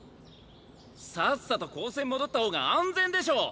さっさと高専戻った方が安全でしょ！